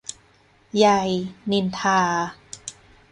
ไย นินทา.